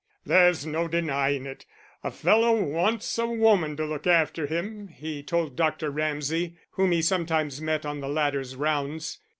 "There's no denying it: a fellow wants a woman to look after him," he told Dr. Ramsay, whom he sometimes met on the latter's rounds.